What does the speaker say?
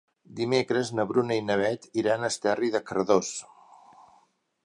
Dimecres na Bruna i na Beth iran a Esterri de Cardós.